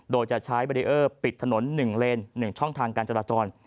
โดยจะใช้เบรีเออร์ปิดถนน๑เลน๑ช่องทางการจราจร